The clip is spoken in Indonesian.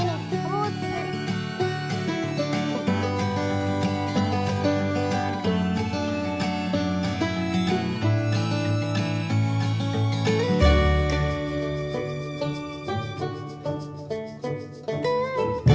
ini berapa berapa